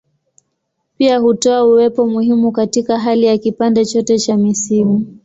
Pia hutoa uwepo muhimu katika hali ya kipande chote cha misimu.